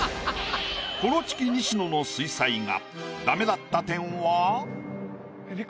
コロチキ西野の水彩画。